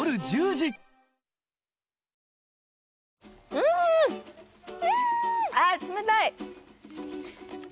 うんあっ冷たい。